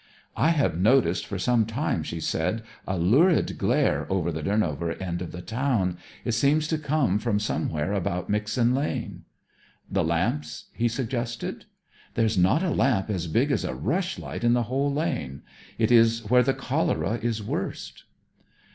'I have noticed for some time,' she said, 'a lurid glare over the Durnover end of the town. It seems to come from somewhere about Mixen Lane.' 'The lamps,' he suggested. 'There's not a lamp as big as a rushlight in the whole lane. It is where the cholera is worst.'